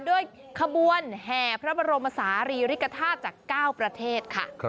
ด้วยขบวนแห่พระบรมศาลีริกฐาตุจาก๙ประเทศค่ะ